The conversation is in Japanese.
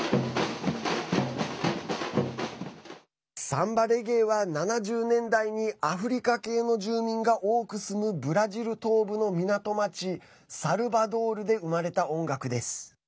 サンバレゲエは７０年代にアフリカ系の住民が多く住むブラジル東部の港町サルバドールで生まれた音楽です。